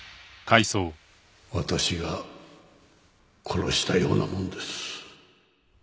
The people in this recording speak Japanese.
私が殺したようなもんです。